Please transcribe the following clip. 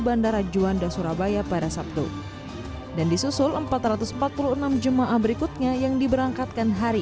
bandara juanda surabaya pada sabtu dan disusul empat ratus empat puluh enam jemaah berikutnya yang diberangkatkan hari